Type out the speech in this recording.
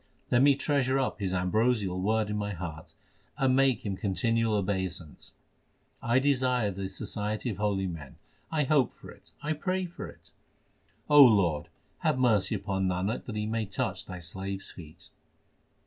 Let me treasure up his ambrosial word in my heart, and make him continual obeisance. I desire the society of holy men ; I hope for it, I pray for it. Lord, have mercy upon Nanak that he may touch Thy slaves feet.